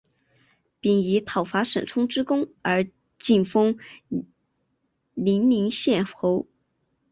并以讨伐沈充之功而进封零陵县侯。